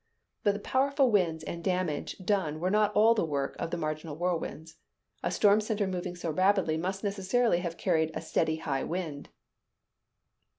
But the powerful winds and the damage done were not all the work of the marginal whirlwinds. A storm center moving so rapidly must necessarily have carried a steady high wind.